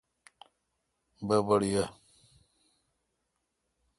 بڑبڑ یہ